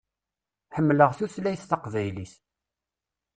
Ḥemmleɣ tutlayt taqbaylit.